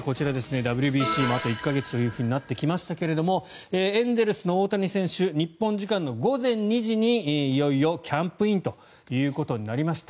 ＷＢＣも、あと１か月となってきましたけれどエンゼルスの大谷選手日本時間の午前２時にいよいよキャンプインということになりました。